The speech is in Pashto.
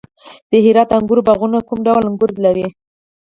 د هرات د انګورو باغونه کوم ډول انګور لري؟